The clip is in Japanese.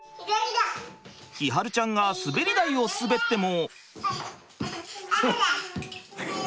輝会ちゃんが滑り台を滑っても。